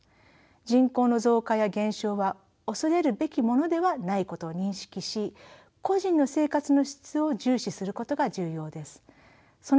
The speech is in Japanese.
人口の増加や減少は恐れるべきものではないことを認識し個人の生活の質を重視することが重要です。